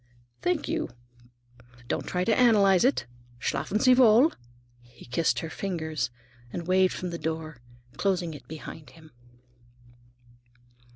"Thank you. Don't try to analyze it. Schlafen sie wohl!" he kissed her fingers and waved from the door, closing it behind him.